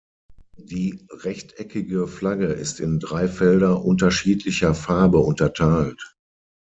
Die rechteckige Flagge ist in drei Felder unterschiedlicher Farbe unterteilt.